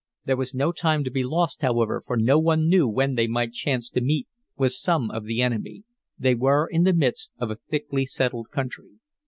There was no time to be lost, however, for no one knew when they might chance to meet with some of the enemy; they were in the midst of a thickly settled country.